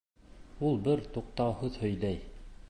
Ул бер туҡтауһыҙ һөйләй: